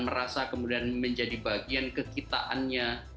merasa kemudian menjadi bagian kekitaannya